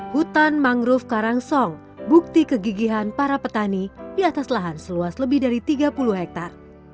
hutan mangrove karangsong bukti kegigihan para petani di atas lahan seluas lebih dari tiga puluh hektare